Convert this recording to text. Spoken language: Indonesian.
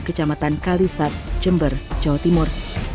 kecamatan kalisat jember jawa timur